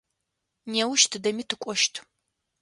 Неущ тыдэми тыкӏощт.